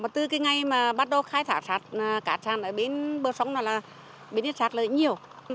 từ cái ngày mà bắt đầu khai thác sạt cát sản ở bên bờ sông là bên đó sạt lở nhiều